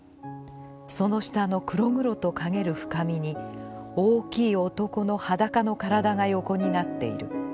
その下の黒ぐろと翳る深みに大きい男の裸の身体が横になっている。